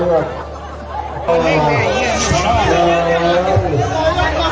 สวัสดิษฐาจะรักษา